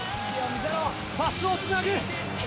パスをつなぐ。